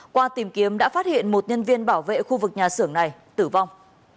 qua tìm kiếm đã phát hiện một nhân viên bảo vệ khu vực nhà xưởng này tử vong